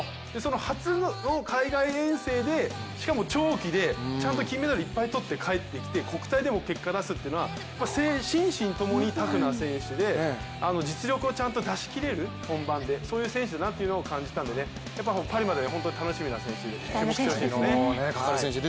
初の海外遠征で、しかも長期で、ちゃんと金メダルいっぱいとって帰ってきて国体でも結果を出すっていうのは心身共にタフな選手で実力をちゃんと出し切れる、本番でそういう選手だなと感じたのでパリまで本当に楽しみな選手で注目してほしいですね。